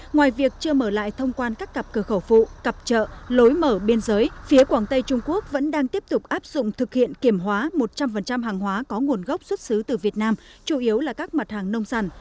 ngoài việc chưa mở lại thông quan các cặp cửa khẩu phụ cặp chợ lối mở biên giới phía quảng tây trung quốc vẫn đang tiếp tục áp dụng thực hiện kiểm hóa một trăm linh hàng hóa có nguồn gốc xuất xứ từ việt nam chủ yếu là các mặt hàng nông sản